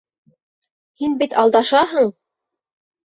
Һин бит алдашаһың...